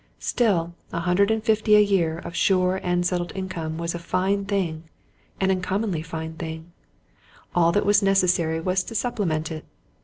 Still, a hundred and fifty a year of sure and settled income was a fine thing, an uncommonly fine thing all that was necessary was to supplement it.